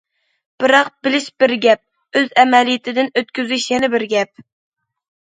بىراق، بىلىش بىر گەپ، ئۆز ئەمەلىيىتىدىن ئۆتكۈزۈش يەنە بىر گەپ.